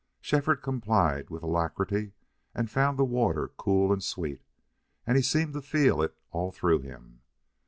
Shefford complied with alacrity and found the water cool and sweet, and he seemed to feel it all through him.